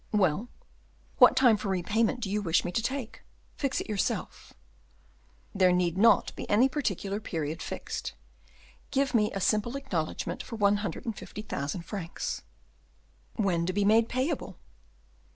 "Well, what time for repayment do you wish me to take? Fix it yourself." "There need not be any particular period fixed; give me a simple acknowledgement for one hundred and fifty thousand francs." "When to be made payable?"